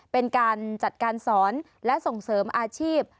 เป็นการจัดการสอนและส่งเสริมอาชีพ